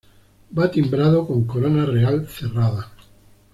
Va timbrado con Corona Real cerrada.